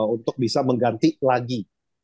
untuk bisa mengganti lagi